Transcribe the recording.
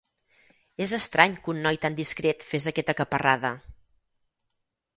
És estrany que un noi tan discret fes aquesta caparrada.